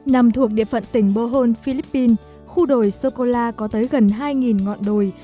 nằm thuộc địa phận tỉnh bohown philippines khu đồi sô cô la có tới gần hai ngọn đồi